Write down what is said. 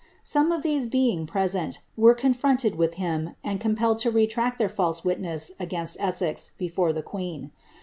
Some of these being present, were confronted with him, and compelled to retract their false witness against Essex, before the queen.